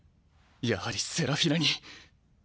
やはりセラフィナに。